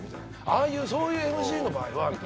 「ああいうそういうＭＣの場合は」